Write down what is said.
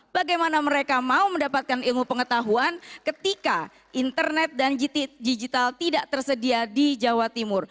bagaimana mereka mau mendapatkan ilmu pengetahuan ketika internet dan digital tidak tersedia di jawa timur